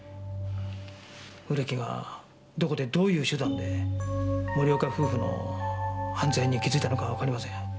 古木がどこでどういう手段で森岡夫婦の犯罪に気づいたのかはわかりません。